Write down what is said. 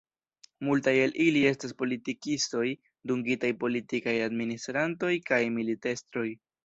Multaj el ili estas politikistoj, dungitaj politikaj administrantoj, kaj militestroj.